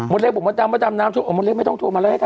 มะเล็กบอกว่าน้ำมะเล็กไม่ต้องโทรมาแล้ว